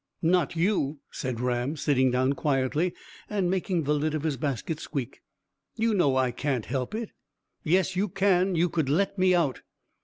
"Not you," said Ram, sitting down quietly, and making the lid of his basket squeak. "You know I can't help it." "Yes, you can. You could let me out."